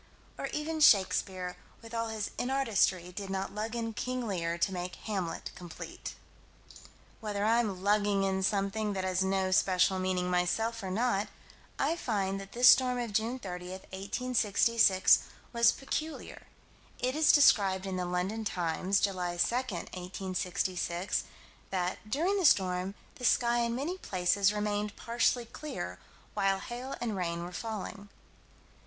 Or even Shakespeare, with all his inartistry, did not lug in King Lear to make Hamlet complete. Whether I'm lugging in something that has no special meaning, myself, or not, I find that this storm of June 30, 1866, was peculiar. It is described in the London Times, July 2, 1866: that "during the storm, the sky in many places remained partially clear while hail and rain were falling."